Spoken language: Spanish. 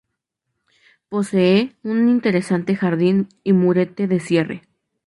Posee un interesante jardín y murete de cierre.